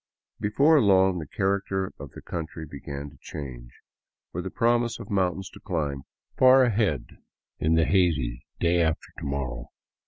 Before long the character of the country began to change, with a promise of mountains to climb far ahead in the hazy day after to morrow.